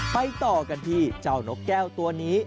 ต่อกันที่เจ้านกแก้วตัวนี้